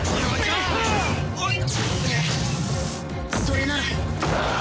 それなら。